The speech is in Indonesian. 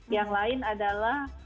yang lain adalah